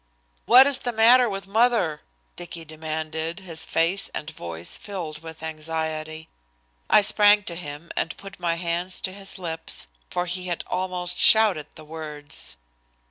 "What is the matter with mother?" Dicky demanded, his face and voice filled with anxiety. I sprang to him and put my hand to his lips, for he had almost shouted the words.